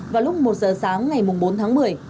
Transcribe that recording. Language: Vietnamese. vào lúc một giờ sáng ngày bốn tháng một mươi